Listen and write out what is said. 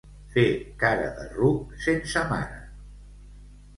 Fer cara de ruc sense mare.